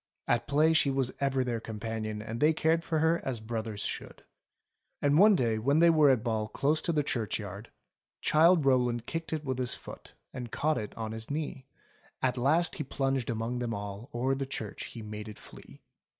At play she was ever their companion and they cared for her as brothers should. And one day when they were at ball close to the churchyard — Childe Rowland kicked it with his foot And caught it on his knee. At last as he plunged among them all O'er the church he made it flee.